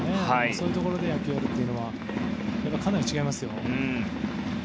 そういうところで野球をやるというのはかなり違いますよ。